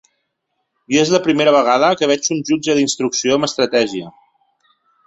I és la primera vegada que veig un jutge d’instrucció amb estratègia.